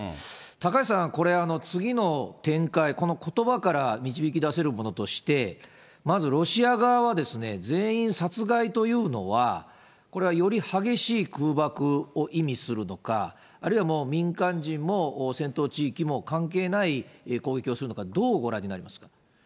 高橋さん、これ、次の展開、このことばから導き出せるものとして、まずロシア側は全員殺害というのは、これはより激しい空爆を意味するのか、あるいはもう民間人も戦闘地域も関係ない攻撃をするのか、どうご覧になりますか？